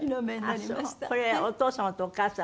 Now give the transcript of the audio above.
これお父様とお母様？